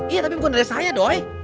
iya tapi bukan dari saya doy